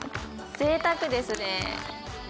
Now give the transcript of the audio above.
ぜいたくですね。